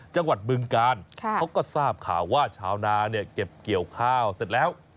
บึงกาลเขาก็ทราบข่าวว่าชาวนาเนี่ยเก็บเกี่ยวข้าวเสร็จแล้ว